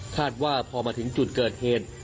คาดว่าพอมาถึงจุดเกิดเหตุ